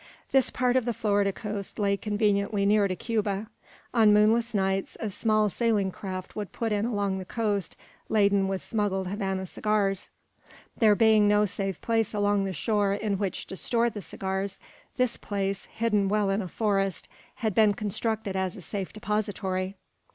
This part of the Florida coast lay conveniently near to Cuba. On moonless nights a small sailing craft would put in along the coast, laden with smuggled Havana cigars. There being no safe place along the shore in which to store the cigars, this place, hidden well in a forest, had been constructed as a safe depository.